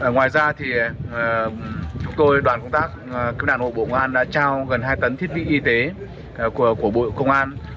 ngoài ra thì chúng tôi đoàn công tác kiếm đàn hộ bộ công an đã trao gần hai tấn thiết bị y tế của bộ công an